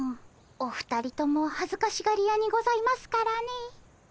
お二人とも恥ずかしがり屋にございますからね。